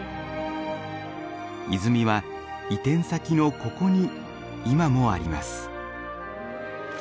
泉は移転先のここに今もあります。